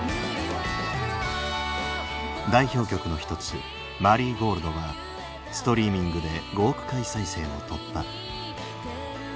代表曲の一つ「マリーゴールド」はストリーミングで５億回再生を突破。